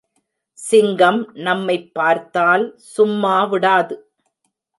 சிங்கம் நம்மைப் பார்த்தால், சும்மா விடாது.